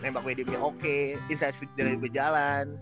nembak medium nya oke insight feeder juga jalan